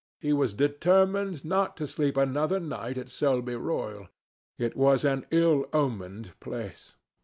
He was determined not to sleep another night at Selby Royal. It was an ill omened place.